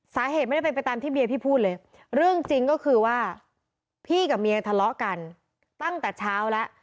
สาเหตุไม่ได้เป็นไปตามที่เบียร์พี่พูดเลยเรื่องจริงก็คือว่าพี่กับเมียทะเลาะกันตั้งแต่เช้าแล้ว